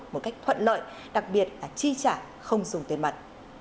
một cách thuận lợi đặc biệt là chi trả không dùng tiền mặt